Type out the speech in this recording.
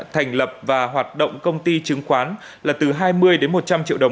thành lập và hoạt động công ty chứng khoán là từ hai mươi đến một trăm linh triệu đồng